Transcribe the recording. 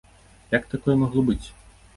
Як такое магло быць?